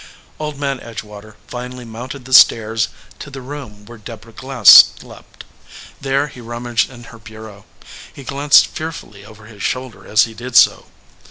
Old Man Edgewater finally mounted the stairs to the room where Deborah Glass slept. There he rummaged in her bureau. He glanced fearfully over his shoulder as he did so.